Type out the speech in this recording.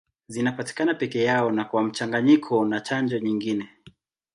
Zinapatikana peke yao na kwa mchanganyiko na chanjo nyingine.